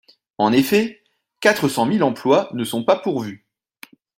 En effet, quatre cent mille emplois ne sont pas pourvus